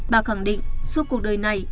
bà khẳng định suốt cuộc đời này